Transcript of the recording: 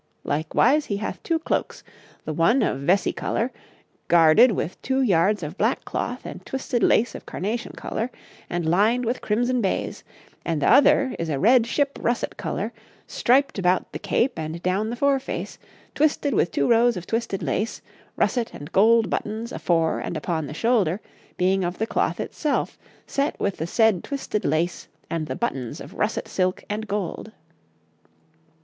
Likewise he hath twoe clokes, th'one of vessey colour, garded with twoe yards of black clothe and twisted lace of carnacion colour, and lyned with crymsone bayes; and th'other is a red shipp russet colour, striped about th'cape and down the fore face, twisted with two rows of twisted lace, russet and gold buttons afore and uppon the shoulder, being of the clothe itself, set with the said twisted lace and the buttons of russet silk and gold.'